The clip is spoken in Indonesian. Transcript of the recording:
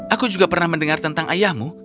aku juga pernah mendengar tentang ayahmu